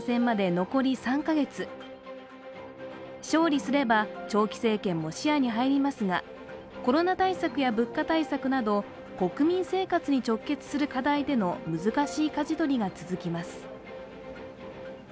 勝利すれば長期政権も視野に入りますがコロナ対策や物価対策など国民生活に直結する課題での難しいかじ取りが続きます。